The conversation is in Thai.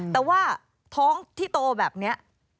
แต่ว่าท้องที่โตแบบนี้